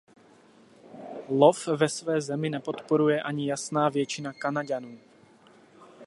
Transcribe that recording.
Lov ve své zemi nepodporuje ani jasná většina Kanaďanů.